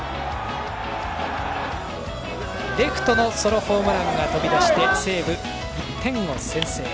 レフトのソロホームランが飛び出して西武、１点を先制。